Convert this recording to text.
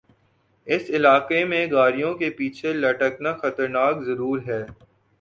اس علاقے میں گاڑیوں کے پیچھے لٹکنا خطرناک ضرور ہے